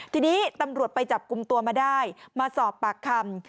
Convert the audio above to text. ทีนี้ตำรวจไปจับกลุ่มตัวมาได้มาสอบปากคำ